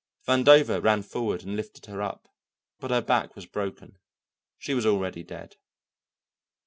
Vandover ran forward and lifted her up, but her back was broken; she was already dead.